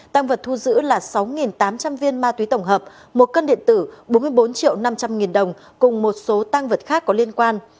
tăng vật thu giữ là sáu tám trăm linh viên ma túy tổng hợp một cân điện tử bốn mươi bốn triệu năm trăm linh nghìn đồng cùng một số tăng vật khác có liên quan